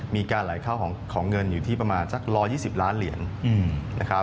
มีการไหลเข้าของเงินอยู่ที่ประมาณสัก๑๒๐ล้านเหรียญนะครับ